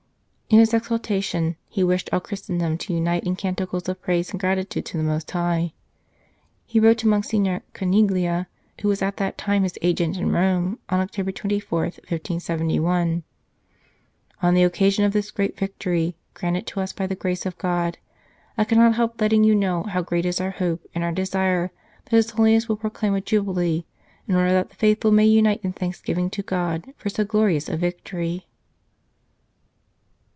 In his exaltation he wished all Christendom to unite in canticles of praise and gratitude to the Most High. He wrote to Monsignor Carniglia, who was at that time his agent in Rome, on October 24, 1571 :" On the occasion of this great victory, granted to us by the grace of God, I cannot help letting you know how great is our hope and our desire that His Holiness will proclaim a jubilee, in order that the faithful may unite in thanksgiving to God for so glorious a victory."